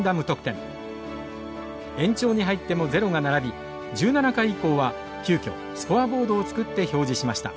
延長に入ってもゼロが並び１７回以降は急きょスコアボードを作って表示しました。